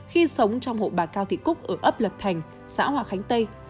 khi sống trong hộ bà cao thị cúc ở ấp lập thành xã hòa khánh tây